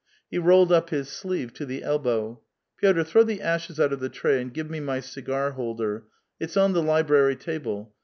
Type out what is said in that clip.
He rolled up his sleeve to the elbow. " Pictr, throw the ashes out of the tray, and give me my cigar holder ; it's on the library table.